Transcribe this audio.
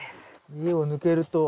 家を抜けると。